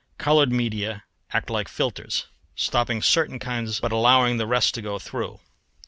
Coloured media act like filters, stopping certain kinds but allowing the rest to go through.